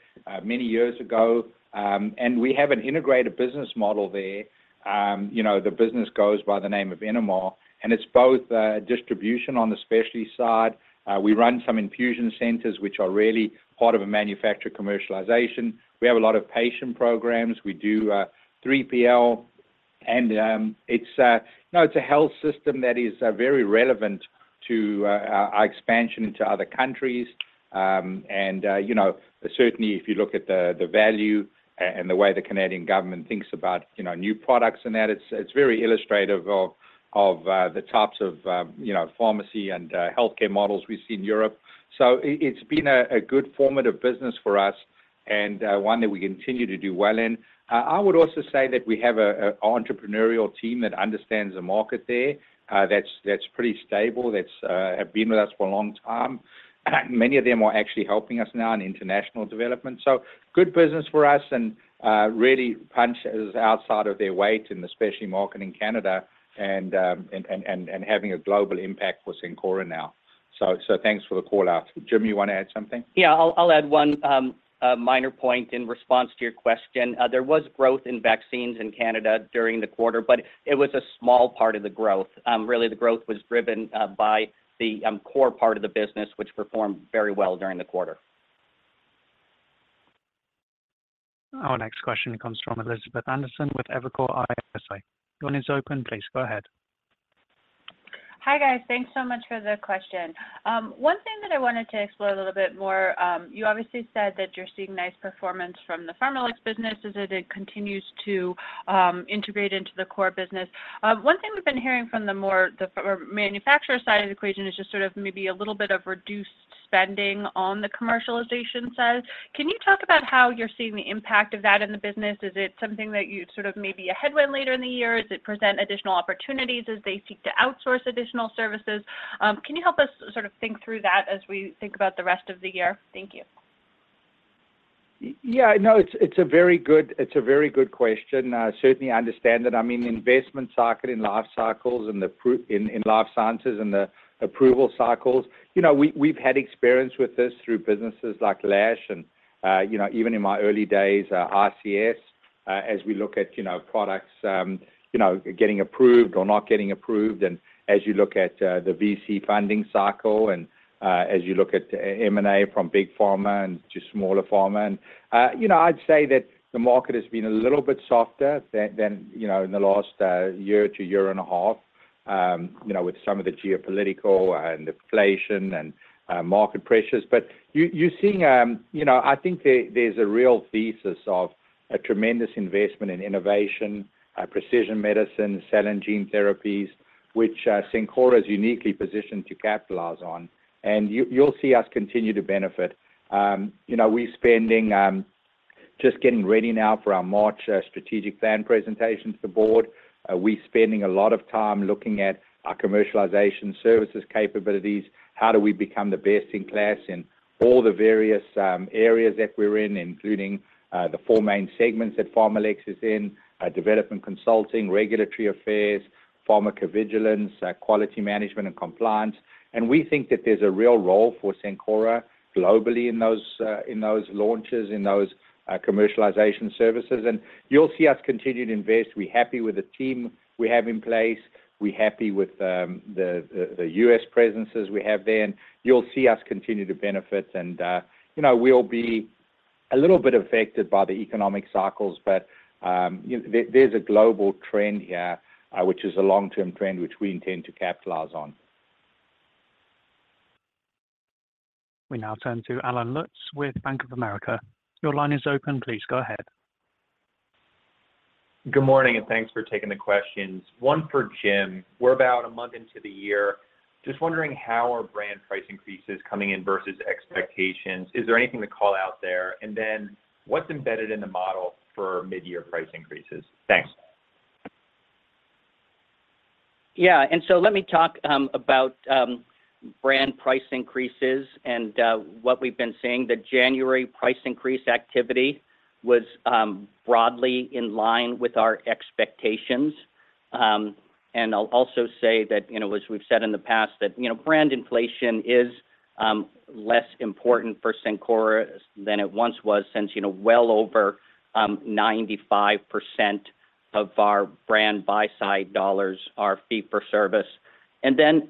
H: many years ago, and we have an integrated business model there. You know, the business goes by the name of Innomar, and it's both distribution on the specialty side.
C: We run some infusion centers, which are really part of a manufacturer commercialization. We have a lot of patient programs. We do 3PL, and you know, it's a health system that is very relevant to our expansion into other countries. And you know, certainly if you look at the value and the way the Canadian government thinks about you know, new products and that, it's very illustrative of the types of you know, pharmacy and healthcare models we see in Europe. So it's been a good formative business for us and one that we continue to do well in. I would also say that we have an entrepreneurial team that understands the market there, that's pretty stable, that's have been with us for a long time. Many of them are actually helping us now in international development. So good business for us and really punches above their weight in the specialty market in Canada and having a global impact for Cencora now. So thanks for the call out. Jim, you wanna add something?
D: Yeah, I'll add one minor point in response to your question. There was growth in vaccines in Canada during the quarter, but it was a small part of the growth. Really, the growth was driven by the core part of the business, which performed very well during the quarter.
A: Our next question comes from Elizabeth Anderson with Evercore ISI. Your line is open, please go ahead.
I: Hi, guys. Thanks so much for the question. One thing that I wanted to explore a little bit more, you obviously said that you're seeing nice performance from the PharmaLex business as it continues to integrate into the core business. One thing we've been hearing from the pharma or manufacturer side of the equation is just sort of maybe a little bit of reduced spending on the commercialization side. Can you talk about how you're seeing the impact of that in the business? Is it something that you sort of maybe a headwind later in the year? Does it present additional opportunities as they seek to outsource additional services? Can you help us sort of think through that as we think about the rest of the year? Thank you.
C: Yeah, no, it's a very good question. Certainly I understand that, I mean, investment cycle and life cycles in life sciences and the approval cycles. You know, we, we've had experience with this through businesses like Lash and, you know, even in my early days, ICS, as we look at, you know, products, you know, getting approved or not getting approved, and as you look at the VC funding cycle and as you look at M&A from big pharma and to smaller pharma. And, you know, I'd say that the market has been a little bit softer than in the last year to year and a half, you know, with some of the geopolitical and inflation and market pressures. But you, you're seeing, you know, I think there, there's a real thesis of a tremendous investment in innovation, precision medicine, cell and gene therapies, which, Cencora is uniquely positioned to capitalize on, and you, you'll see us continue to benefit. You know, we're spending, just getting ready now for our March strategic plan presentation to the board. We spending a lot of time looking at our commercialization services capabilities. How do we become the best in class in all the various areas that we're in, including the four main segments that PharmaLex is in, development consulting, regulatory affairs, pharmacovigilance, quality management and compliance. And we think that there's a real role for Cencora globally in those, in those launches, in those commercialization services. And you'll see us continue to invest. We're happy with the team we have in place. We're happy with the U.S. presences we have there, and you'll see us continue to benefit. You know, we'll be a little bit affected by the economic cycles, but there, there's a global trend here, which is a long-term trend, which we intend to capitalize on.
A: We now turn to Allen Lutz with Bank of America. Your line is open, please go ahead.
J: Good morning, and thanks for taking the questions. One for Jim. We're about a month into the year, just wondering how our brand price increases coming in versus expectations. Is there anything to call out there? And then, what's embedded in the model for mid-year price increases? Thanks.
D: Yeah, and so let me talk about brand price increases and what we've been seeing. The January price increase activity was broadly in line with our expectations. And I'll also say that, you know, as we've said in the past, that, you know, brand inflation is less important for Cencora than it once was, since, you know, well over 95% of our brand buy-side dollars are fee for service. And then,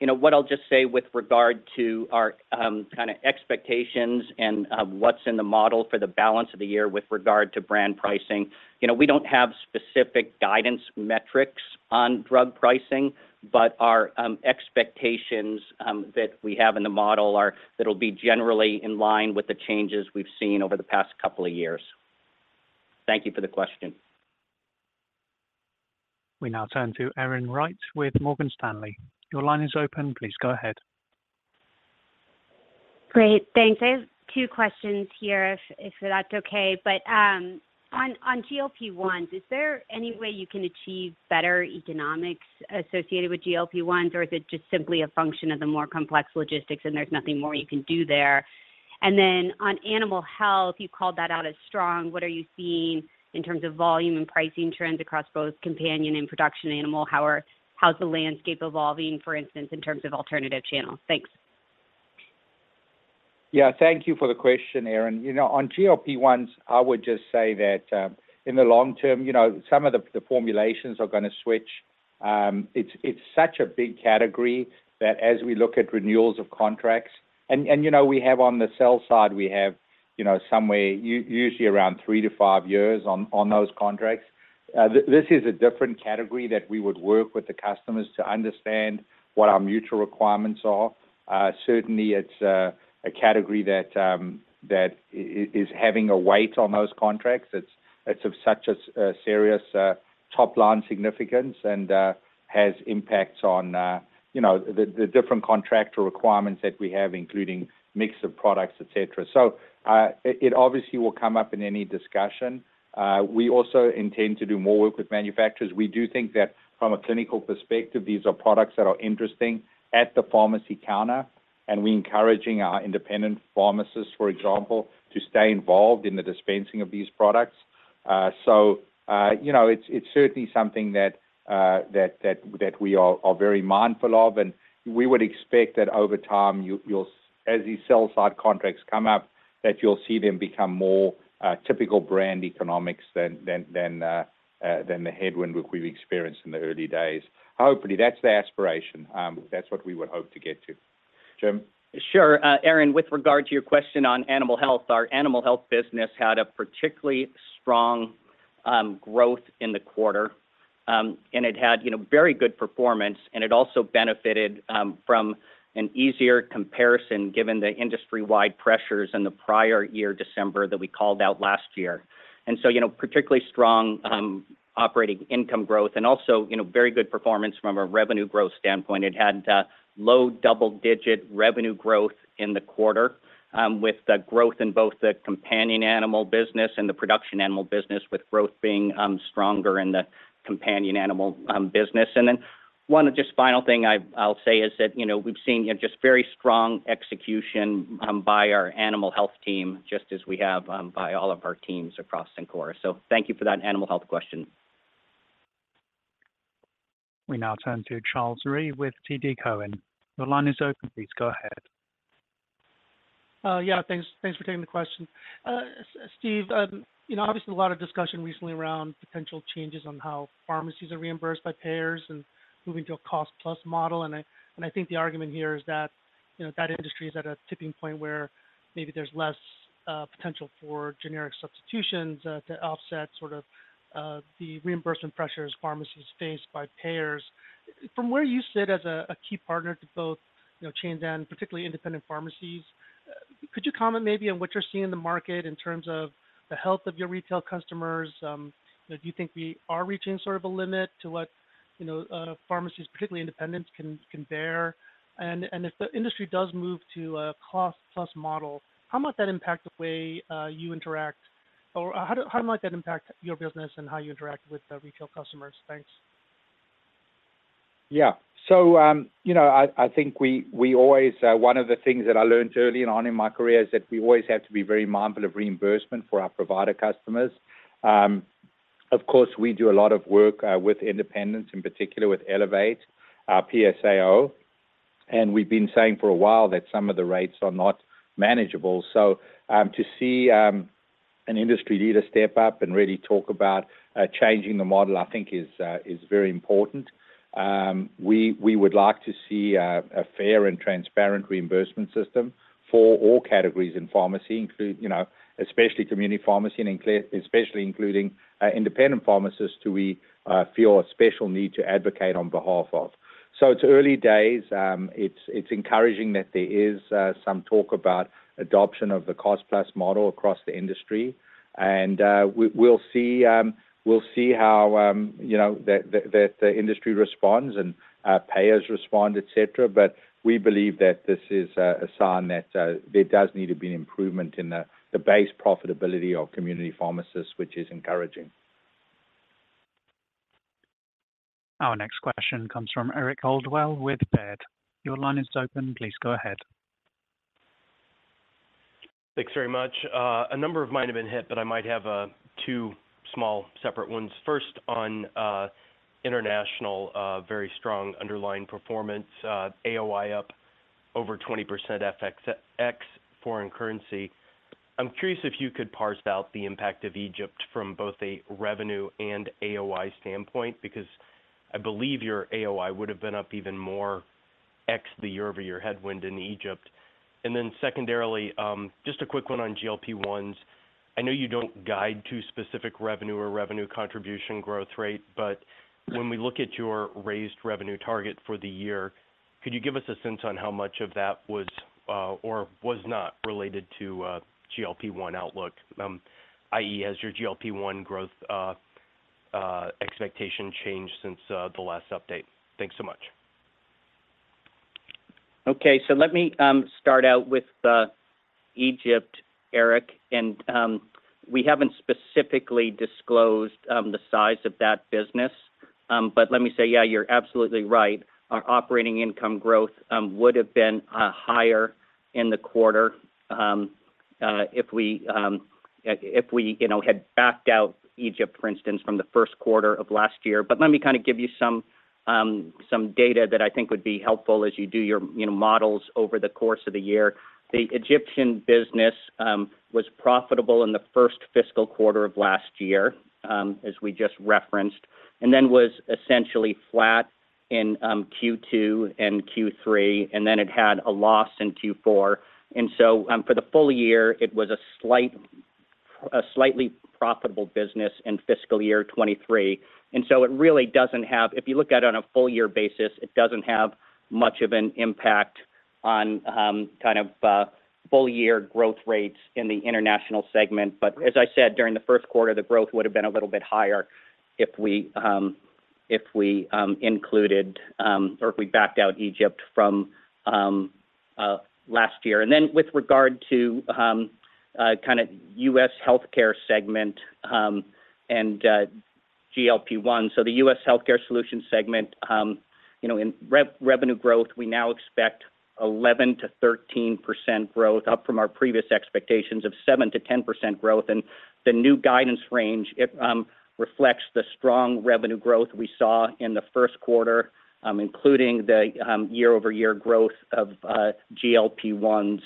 D: you know, what I'll just say with regard to our kinda expectations and what's in the model for the balance of the year with regard to brand pricing, you know, we don't have specific guidance metrics on drug pricing, but our expectations that we have in the model are—that'll be generally in line with the changes we've seen over the past couple of years. Thank you for the question.
A: We now turn to Erin Wright with Morgan Stanley. Your line is open, please go ahead.
K: Great. Thanks. I have two questions here, if that's okay. But, on GLP-1, is there any way you can achieve better economics associated with GLP-1, or is it just simply a function of the more complex logistics and there's nothing more you can do there? And then on animal health, you called that out as strong. What are you seeing in terms of volume and pricing trends across both companion and production animal? How's the landscape evolving, for instance, in terms of alternative channels? Thanks.
C: Yeah, thank you for the question, Erin. You know, on GLP-1, I would just say that in the long term, you know, some of the formulations are gonna switch. It's such a big category that as we look at renewals of contracts—and you know, we have on the sales side, we have, you know, somewhere usually around 3-5 years on those contracts. This is a different category that we would work with the customers to understand what our mutual requirements are. Certainly, it's a category that is having a weight on those contracts. It's of such a serious top-line significance and has impacts on, you know, the different contractual requirements that we have, including mix of products, et cetera. So, it obviously will come up in any discussion. We also intend to do more work with manufacturers. We do think that from a clinical perspective, these are products that are interesting at the pharmacy counter, and we're encouraging our independent pharmacists, for example, to stay involved in the dispensing of these products. You know, it's certainly something that we are very mindful of, and we would expect that over time, you'll as these sell-side contracts come up, that you'll see them become more typical brand economics than the headwind we've experienced in the early days. Hopefully, that's the aspiration. That's what we would hope to get to. Jim?
D: Sure. Erin, with regard to your question on animal health, our animal health business had a particularly strong growth in the quarter. It had, you know, very good performance, and it also benefited from an easier comparison, given the industry-wide pressures in the prior year, December, that we called out last year. So, you know, particularly strong operating income growth and also, you know, very good performance from a revenue growth standpoint. It had low double-digit revenue growth in the quarter, with the growth in both the companion animal business and the production animal business, with growth being stronger in the companion animal business. And then one just final thing I'll say is that, you know, we've seen just very strong execution by our animal health team, just as we have by all of our teams across Cencora. So thank you for that animal health question.
A: We now turn to Charles Rhyee with TD Cowen. Your line is open. Please go ahead.
L: Yeah, thanks, thanks for taking the question. Steve, you know, obviously, a lot of discussion recently around potential changes on how pharmacies are reimbursed by payers and moving to a cost-plus model. And I think the argument here is that, you know, that industry is at a tipping point where maybe there's less potential for generic substitutions to offset sort of the reimbursement pressures pharmacies face by payers. From where you sit as a key partner to both, you know, chains and particularly independent pharmacies, could you comment maybe on what you're seeing in the market in terms of the health of your retail customers? Do you think we are reaching sort of a limit to what, you know, pharmacies, particularly independents, can bear? If the industry does move to a cost-plus model, how might that impact the way you interact, or how might that impact your business and how you interact with the retail customers? Thanks.
C: Yeah. So, you know, I think we always, one of the things that I learned early on in my career is that we always have to be very mindful of reimbursement for our provider customers. Of course, we do a lot of work with independents, in particular with Elevate, our PSAO, and we've been saying for a while that some of the rates are not manageable. So, to see an industry leader step up and really talk about changing the model, I think is very important. We would like to see a fair and transparent reimbursement system for all categories in pharmacy, include, you know, especially community pharmacy and especially including independent pharmacists, who we feel a special need to advocate on behalf of. So it's early days. It's encouraging that there is some talk about adoption of the cost-plus model across the industry, and we'll see how, you know, the industry responds and payers respond, et cetera. But we believe that this is a sign that there does need to be an improvement in the base profitability of community pharmacists, which is encouraging.
A: Our next question comes from Eric Coldwell with Baird. Your line is open. Please go ahead.
M: Thanks very much. A number of mine have been hit, but I might have two small separate ones. First, on international, very strong underlying performance, AOI up over 20% FX ex foreign currency. I'm curious if you could parse out the impact of Egypt from both a revenue and AOI standpoint, because I believe your AOI would have been up even more, ex the year-over-year headwind in Egypt. And then secondarily, just a quick one on GLP-1. I know you don't guide to specific revenue or revenue contribution growth rate, but when we look at your raised revenue target for the year, could you give us a sense on how much of that was, or was not related to, GLP-1 outlook? I.e., has your GLP-1 growth, expectation changed since, the last update? Thanks so much.
D: Okay, so let me start out with the Egypt, Eric, and we haven't specifically disclosed the size of that business. But let me say, yeah, you're absolutely right. Our operating income growth would have been higher in the quarter if we you know, had backed out Egypt, for instance, from the first quarter of last year. But let me kind of give you some some data that I think would be helpful as you do your you know, models over the course of the year. The Egyptian business was profitable in the first fiscal quarter of last year as we just referenced, and then was essentially flat in Q2 and Q3, and then it had a loss in Q4. And so, for the full year, it was a slightly profitable business in fiscal year 2023. And so it really doesn't have, if you look at it on a full year basis, it doesn't have much of an impact on full year growth rates in the international segment. But as I said, during the first quarter, the growth would have been a little bit higher if we included, or if we backed out Egypt from last year. And then with regard to kind of U.S. healthcare segment, and GLP-1. So the U.S. Healthcare Solutions segment, you know, in revenue growth, we now expect 11%-13% growth, up from our previous expectations of 7%-10% growth. And the new guidance range reflects the strong revenue growth we saw in the first quarter, including the year-over-year growth of GLP-1s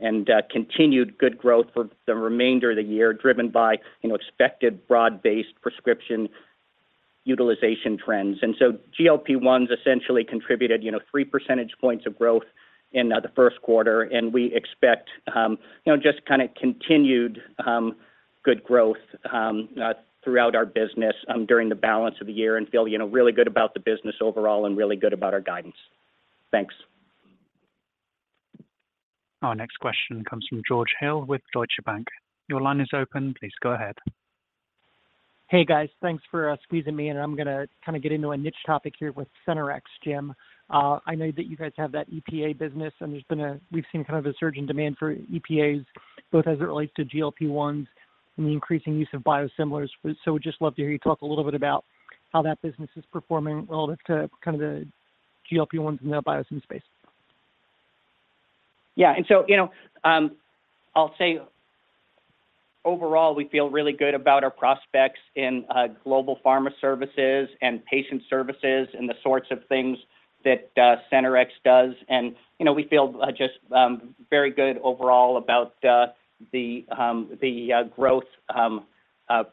D: and continued good growth for the remainder of the year, driven by, you know, expected broad-based prescription utilization trends. And so GLP-1s essentially contributed, you know, three percentage points of growth in the first quarter, and we expect, you know, just kind of continued good growth throughout our business during the balance of the year, and feel, you know, really good about the business overall and really good about our guidance. Thanks.
A: Our next question comes from George Hill with Deutsche Bank. Your line is open. Please go ahead.
N: Hey, guys. Thanks for squeezing me in. I'm gonna kind of get into a niche topic here with Cencora, Jim. I know that you guys have that ePA business, and there's been a—we've seen kind of a surge in demand for ePAs, both as it relates to GLP-1s and the increasing use of biosimilars. So would just love to hear you talk a little bit about how that business is performing relative to kind of the GLP-1s in that biosim space.
D: Yeah, and so, you know, I'll say overall, we feel really good about our prospects in global pharma services and patient services and the sorts of things that Cencora does. And, you know, we feel just very good overall about the growth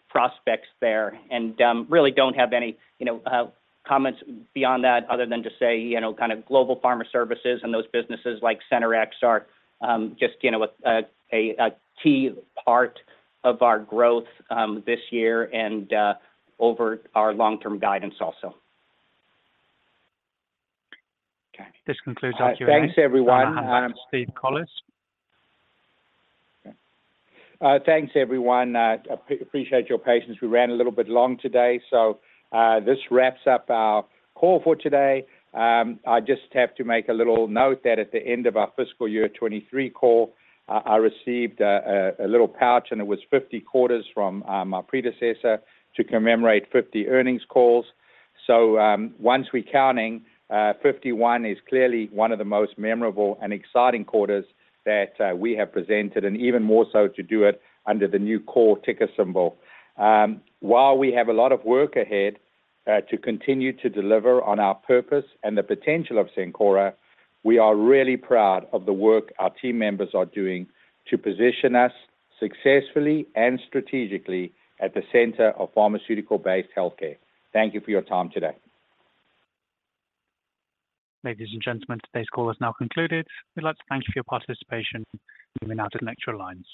D: prospects there. And really don't have any, you know, comments beyond that, other than just say, you know, kind of global pharma services and those businesses like Cencora are just, you know, a key part of our growth this year and over our long-term guidance also.
N: Okay.
A: This concludes our Q&A.
C: Thanks, everyone. I'm Steve Collis. Thanks, everyone. Appreciate your patience. We ran a little bit long today, so this wraps up our call for today. I just have to make a little note that at the end of our fiscal year 2023 call, I received a little pouch, and it was 50 quarters from my predecessor to commemorate 50 earnings calls. So, once we counting, 51 is clearly one of the most memorable and exciting quarters that we have presented, and even more so to do it under the new COR ticker symbol. While we have a lot of work ahead to continue to deliver on our purpose and the potential of Cencora, we are really proud of the work our team members are doing to position us successfully and strategically at the center of pharmaceutical-based healthcare. Thank you for your time today.
A: Ladies and gentlemen, today's call is now concluded. We'd like to thank you for your participation. You may now disconnect your lines.